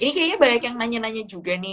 ini kayaknya banyak yang nanya nanya juga nih